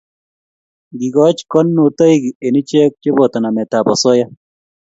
Ngikoch konunotoik eng ichek cheboto nametab osoya